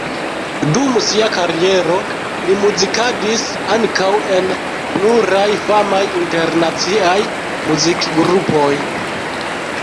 Dum sia kariero li muzikadis ankaŭ en pluraj famaj internaciaj muzikgrupoj.